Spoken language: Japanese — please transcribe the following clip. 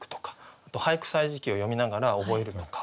あと「俳句歳時記」を読みながら覚えるとか。